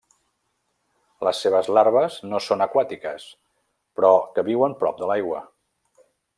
Les seves larves no són aquàtiques, però que viuen prop de l'aigua.